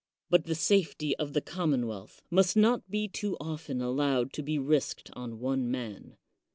But the safety of the commonwealth must not be too often allowed to be risked on one man.